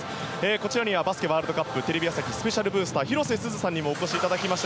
こちらにはバスケワールドカップテレビ朝日スペシャルブースター広瀬すずさんにもお越しいただきました。